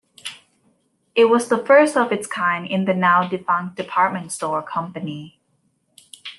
It was the first of its kind in the now-defunct department store company.